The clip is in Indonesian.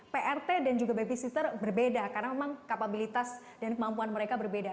prt dan juga babysitter berbeda karena memang kapabilitas dan kemampuan mereka berbeda